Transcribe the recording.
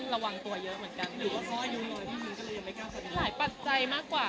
มีอีกส่วนเรื่องหนึ่งที่พี่โอปอล์กับพี่ผมแข่งพูด